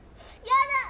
やだ！